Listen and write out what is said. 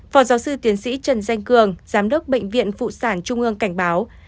phó giáo sư tiến sĩ trần danh cường giám đốc bệnh viện phụ sản trung ương cảnh báo